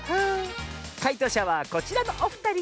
かいとうしゃはこちらのおふたり！